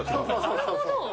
なるほど。